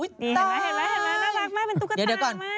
เห็นมั้ยน่ารักมากเป็นตุ๊กตามา